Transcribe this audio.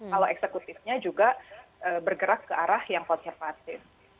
kalau eksekutifnya juga bergerak ke arah yang konservatif